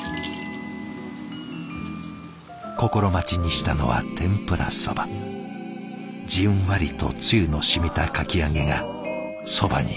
心待ちにしたのはじんわりとつゆのしみたかき揚げがそばにからむ。